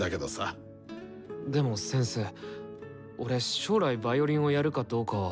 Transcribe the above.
でも先生俺将来ヴァイオリンをやるかどうかは。